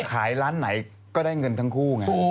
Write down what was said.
ขายร้านไหนก็ได้เงินทั้งคู่ไง